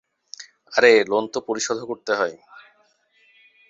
আরে লোন তো পরিশোধও করতে হয়।